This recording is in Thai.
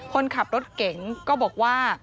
คนขับรถเก๋งก็บอกว่า